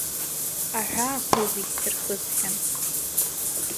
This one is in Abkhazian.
Аҳәаақәа зегь сырхысхьан.